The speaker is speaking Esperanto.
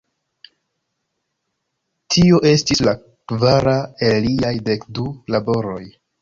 Tio estis la kvara el liaj dek du laboroj.